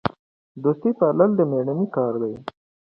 دوستي پالل د میړانې کار دی.